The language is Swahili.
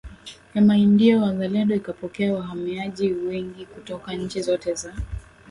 ya Maindio wazalendo ikapokea wahamiaji wengi kutoka nchi zote za